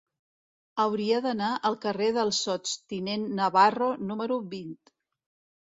Hauria d'anar al carrer del Sots tinent Navarro número vint.